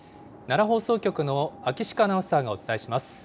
奈良放送局の秋鹿アナウンサーがお伝えします。